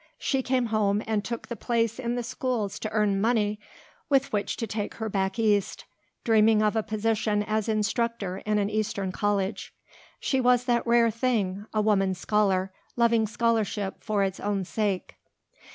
She came home and took the place in the schools to earn money with which to take her back East, dreaming of a position as instructor in an eastern college. She was that rare thing, a woman scholar, loving scholarship for its own sake.